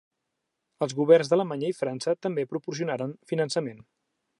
Els governs d'Alemanya i França també proporcionaren finançament.